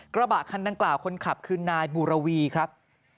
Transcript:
กระบะคันดังกล่าวคนขับคือนายบูรวีครับ